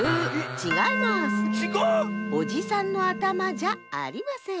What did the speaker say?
ちがう⁉おじさんのあたまじゃありません。